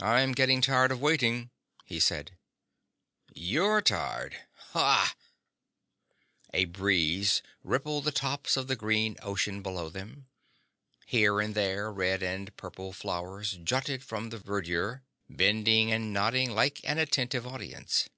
"I'm getting tired of waiting," he said. "You're tired! Hah!" A breeze rippled the tops of the green ocean below them. Here and there, red and purple flowers jutted from the verdure, bending and nodding like an attentive audience.